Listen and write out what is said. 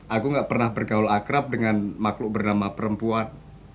aku gak pernah bergaul akrab dengan makhluk bernama perempuan